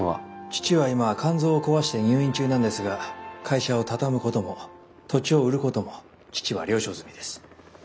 父は今肝臓を壊して入院中なんですが会社を畳むことも土地を売ることも父は了承済みです。